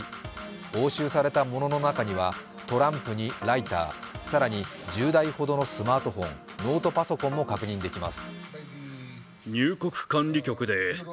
押収されたものの中にはトランプにライター、更に１０台ほどのスマートフォン、ノートパソコンも確認できます。